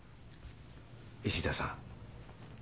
石田さん